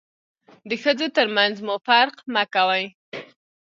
د ښځو تر منځ مو فرق مه کوئ.